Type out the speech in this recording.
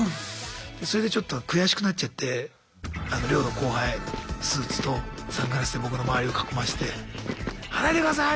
それでちょっと悔しくなっちゃって寮の後輩スーツとサングラスで僕の周りを囲まして「離れてください！」